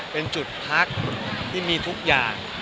เป็นจุดพักที่มีทุกอย่าง